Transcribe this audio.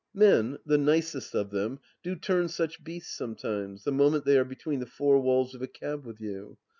Men, the nicest of them, do turn such beasts, sometimes, the moment they are between the four walls of a cab with you.